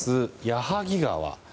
矢作川。